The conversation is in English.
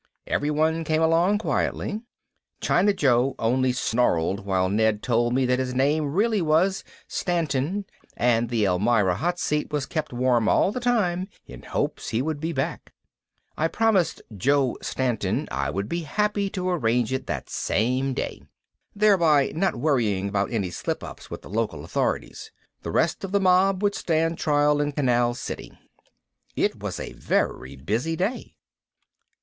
Everyone came along quietly. China Joe only snarled while Ned told me that his name really was Stantin and the Elmira hot seat was kept warm all the time in hopes he would be back. I promised Joe Stantin I would be happy to arrange it that same day. Thereby not worrying about any slip ups with the local authorities. The rest of the mob would stand trial in Canal City. It was a very busy day.